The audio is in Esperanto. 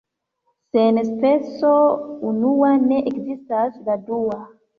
Sen speso unua ne ekzistas la dua.